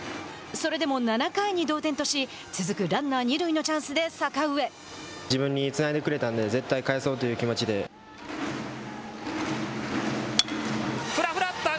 それでも７回に同点とし続くランナー二塁のチャンスで阪上。